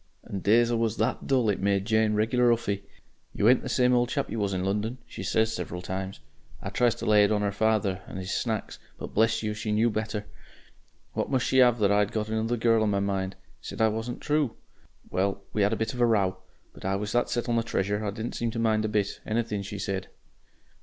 And days I was that dull, it made Jane regular 'uffy. 'You ain't the same chap you was in London,' she says, several times. I tried to lay it on 'er father and 'is Snacks, but bless you, she knew better. What must she 'ave but that I'd got another girl on my mind! Said I wasn't True. Well, we had a bit of a row. But I was that set on the Treasure, I didn't seem to mind a bit Anything she said.